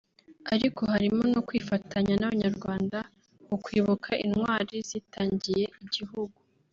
ariko harimo no kwifatanya n’Abanyarwanda mu kwibuka Intwari zitangiye igihugu